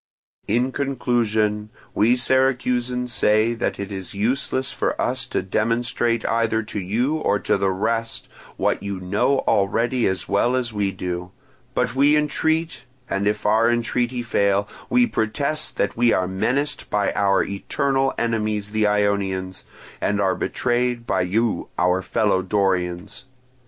"In conclusion, we Syracusans say that it is useless for us to demonstrate either to you or to the rest what you know already as well as we do; but we entreat, and if our entreaty fail, we protest that we are menaced by our eternal enemies the Ionians, and are betrayed by you our fellow Dorians.